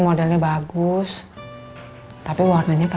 pokoknya grup light date